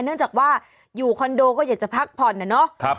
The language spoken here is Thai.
เนื่องจากว่าอยู่คอนโดก็อยากจะพักผ่อนนะเนาะ